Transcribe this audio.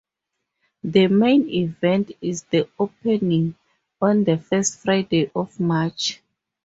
The main event is the opening, on the first Friday of March.